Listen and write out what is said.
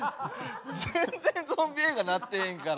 全然ゾンビ映画なってへんから。